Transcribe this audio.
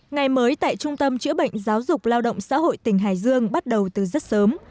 ngày mới tại trung tâm chữa bệnh giáo dục lao động xã hội tỉnh hải dương bắt đầu từ rất sớm